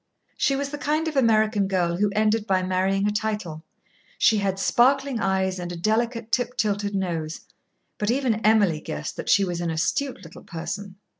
She was the kind of American girl who ended by marrying a title. She had sparkling eyes and a delicate tip tilted nose. But even Emily guessed that she was an astute little person.